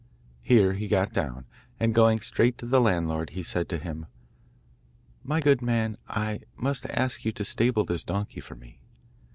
Here he got down, and going straight to the landlord, he said to him: 'My good man, I must ask you to stable this donkey for me.